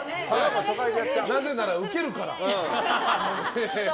なぜなら、ウケるから。